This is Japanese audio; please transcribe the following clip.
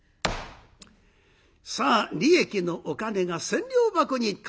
さあ利益のお金が千両箱に変わります。